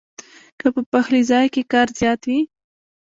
کۀ پۀ پخلي ځائے کښې کار زيات وي